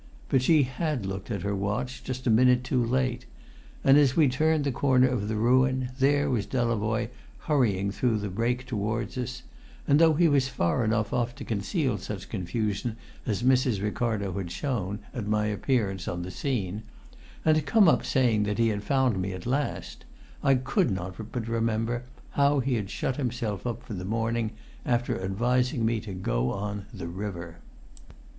But she had looked at her watch just a minute too late; as we turned the corner of the ruin, there was Delavoye hurrying through the brake towards us; and though he was far enough off to conceal such confusion as Mrs. Ricardo had shown at my appearance on the scene, and to come up saying that he had found me at last, I could not but remember how he had shut himself up for the morning, after advising me to go on the river.